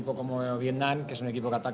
ini adalah tempat yang sangat baik